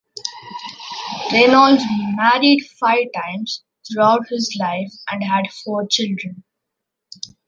Reynolds married five times throughout his life and had four children.